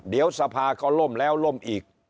เดี๋ยวสภาก็ล่มแล้วล่มอีก